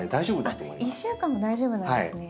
あっ１週間も大丈夫なんですね。